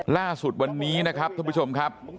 ล่าสุดวันนี้นะครับท่านผู้ชมครับ